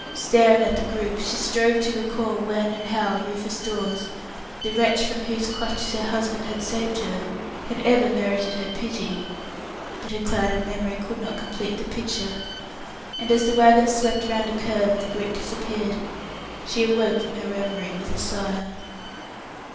Staring at the group, she strove to recall when and how Rufus Dawes, the wretch from whose clutches her husband had saved her, had ever merited her pity, but her clouded memory could not complete the picture, and as the wagons swept round a curve, and the group disappeared, she awoke from her reverie with a sigh.